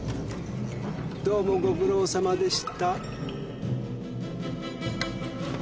どうもご苦労さまでした。